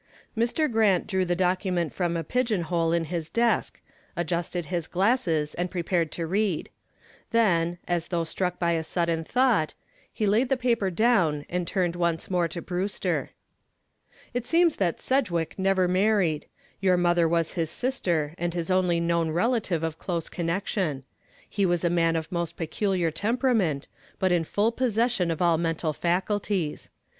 Mr. Grant drew the document from a pigeon hole in his desk, adjusted his glasses and prepared to read. Then, as though struck by a sudden thought, he laid the paper down and turned once more to Brewster. "It seems that Sedgwick never married. Your mother was his sister and his only known relative of close connection. He was a man of most peculiar temperament, but in full possession of all mental faculties.